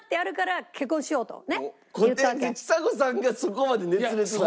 ちさ子さんがそこまで熱烈な。